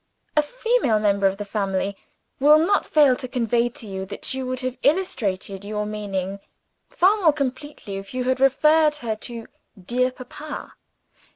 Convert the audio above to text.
A female member of the family will not fail to convey to you that you would have illustrated your meaning far more completely if you had referred her to "dear Papa."